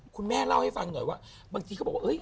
คุณแม่เล่าให้ฟังหน่อยว่าบางทีเขาบอกว่า